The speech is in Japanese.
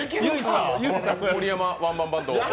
盛山ワンマンバンド。